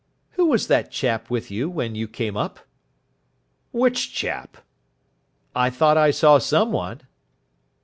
"Who was that chap with you when you came up?" "Which chap?" "I thought I saw some one."